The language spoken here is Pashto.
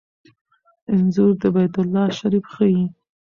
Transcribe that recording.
انځور د بیت الله شریف ښيي.